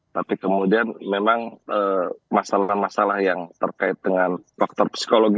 tapi kemudian memang masalah masalah yang terkait dengan faktor psikologi